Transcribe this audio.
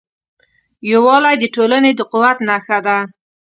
یووالی د ټولنې د قوت نښه ده.